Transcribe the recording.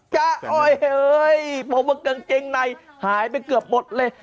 จ๊ะโอ๊ยเฮ้ยผมว่ากางเกงในหายไปเกือบหมดเลย